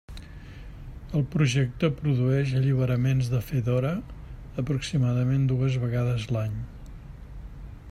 El projecte produeix alliberaments de Fedora aproximadament dues vegades l'any.